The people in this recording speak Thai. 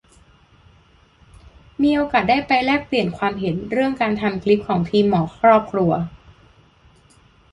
มีโอกาสได้ไปแลกเปลี่ยนความเห็นเรื่องการทำคลิปของทีมหมอครอบครัว